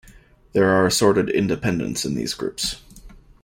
There are assorted independents in these groups.